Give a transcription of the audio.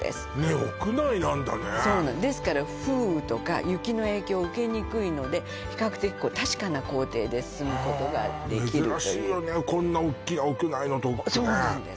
屋内なんだねそうなんですですから風雨とか雪の影響を受けにくいので比較的確かな工程で進むことができるという珍しいよねこんな大きな屋内のドックねそうなんです